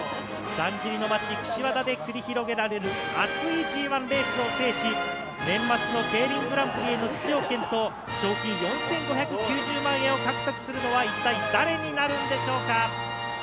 だんじりの街・岸和田で繰り広げられるアツいＧ１レースを制し、年末のＫＥＩＲＩＮグランプリへの出場権と賞金４５９０万円を獲得するのは一体、誰になるんでしょうか？